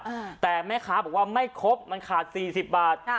อ่าแต่แม่ค้าบอกว่าไม่ครบมันขาดสี่สิบบาทค่ะ